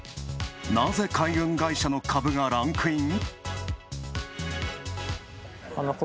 なぜ海運会社の株がランクイン？